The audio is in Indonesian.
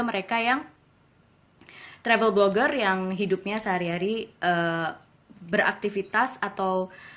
mereka yang travel blogger yang hidupnya sehari hari beraktivitas atau